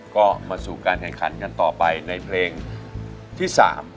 ก็มาสู่การแข่งขันกันต่อไปในเพลงที่๓